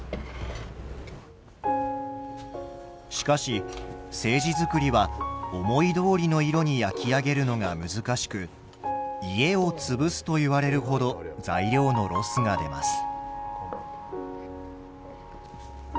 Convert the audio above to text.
しかし青磁作りは思いどおりの色に焼き上げるのが難しく「家を潰す」といわれるほど材料のロスが出ます。